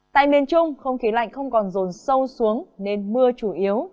tại miền trung không khí lạnh không còn rồn sâu xuống nên mưa chủ yếu